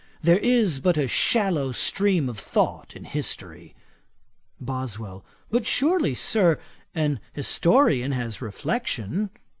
There is but a shallow stream of thought in history.' BOSWELL. 'But surely, Sir, an historian has reflection.'